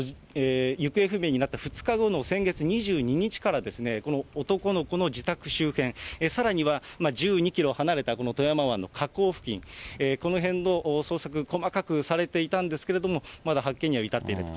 行方不明になった２日後の先月２２日から、この男の子の自宅周辺、さらには１２キロ離れたこの富山湾の河口付近、この辺の捜索、細かくされていたんですけれども、まだ発見には至っていないと。